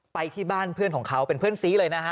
ไปที่บ้านเพื่อนของเขาเป็นเพื่อนซีเลยนะฮะ